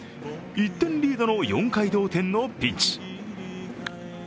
１点リードの４回同点のピンチ。